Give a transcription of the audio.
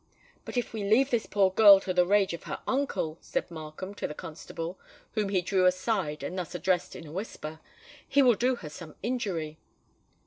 "But if we leave this poor girl to the rage of her uncle," said Markham to the constable, whom he drew aside and thus addressed in a whisper, "he will do her some injury."